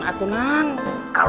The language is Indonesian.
kalau keluarga saya mah